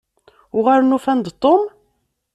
Uɣalen ufan-d Tom?